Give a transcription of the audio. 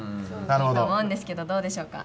いいと思うんですけどどうでしょうか？